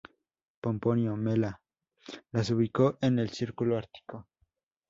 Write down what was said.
Pomponio Mela las ubicó en el círculo ártico.